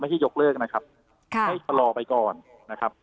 ให้ยกเลิกนะครับให้ชะลอไปก่อนนะครับ